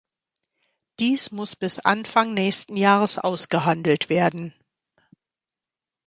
Dies muss bis Anfang nächsten Jahres ausgehandelt werden.